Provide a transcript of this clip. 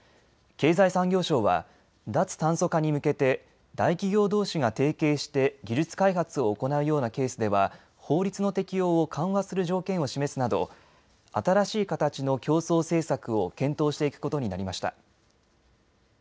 経済産業省は脱炭素化に向けて大企業どうしが提携して技術開発を行うようなケースでは法律の適用を緩和する条件を示すなど新しい形の競争政策を検討していくことになりました。